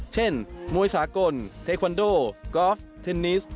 เช่นมวยสากลเทควันโดกอล์ฟเทนนิส